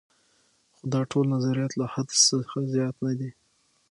خو دا ټول نظریات له حدس څخه زیات نه دي.